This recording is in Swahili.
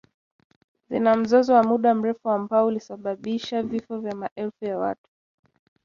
Zina mzozo wa muda mrefu ambao ulisababisha vifo vya maelfu ya watu